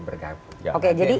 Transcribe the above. kalau nasdem ingin bergabung